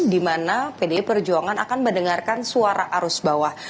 di mana pdi perjuangan akan mendengarkan suara arus bawah